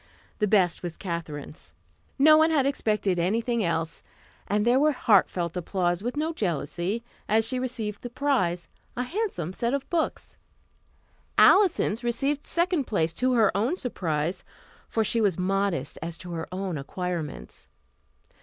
The best was Katherine's. No one had expected anything else, and there was heartfelt applause with no jealousy, as she received the prize, a handsome set of books. Alison's received second place, to her own surprise, for she was modest as to her own acquirements.